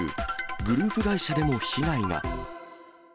グループ会社でも被害が。